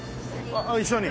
一緒に。